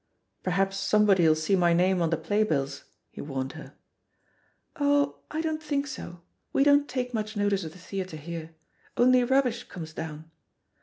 "Perhaps somebody'U see my name on the playbills," he warned her. "Oh, I don't think so; we don't take much notice of the theatre here; only rubbish comes down.